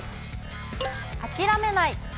諦めない。